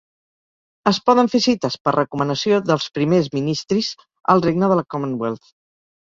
Es poden fer cites per recomanació dels primers ministris al regne de la Commonwealth.